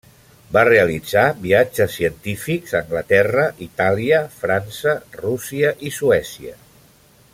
Va realitzar viatges científics a Anglaterra, Itàlia, França, Rússia i Suècia.